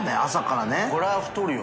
これは太るよ。